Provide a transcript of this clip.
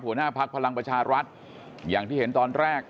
หัวหน้าภักดิ์พลังประชารัฐอย่างที่เห็นตอนแรก